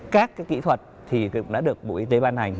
các kỹ thuật thì cũng đã được bộ y tế ban hành